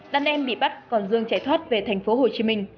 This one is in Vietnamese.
đàn em bị bắt còn dương chạy thoát về thành phố hồ chí minh